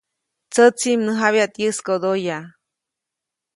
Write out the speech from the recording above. Tsätsi, mnäjabyaʼt yäskodoyaʼ.